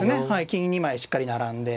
金２枚しっかり並んで。